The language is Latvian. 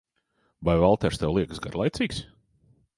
Vai Valters tev liekas garlaicīgs?